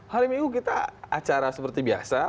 hari minggu kita acara seperti biasa